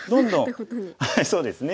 はいそうですね。